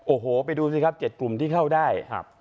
โอ้โหไปดูสิครับ๗กลุ่มที่เข้าได้